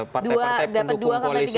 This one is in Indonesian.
partai partai pendukung koalisi